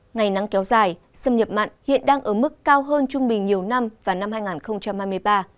ngày nắng kéo dài xâm nhập mặn hiện đang ở mức cao hơn trung bình nhiều năm vào năm hai nghìn hai mươi ba